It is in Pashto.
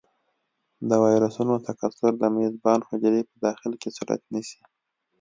د ویروسونو تکثر د میزبان حجرې په داخل کې صورت نیسي.